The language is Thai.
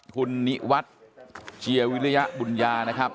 คุณนิวัตเจียวิลยะบุญยานะครับ